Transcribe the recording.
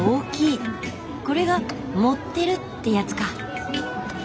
これが「盛ってる」ってやつか。